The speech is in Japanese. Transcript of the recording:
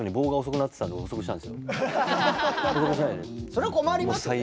それは困りますよね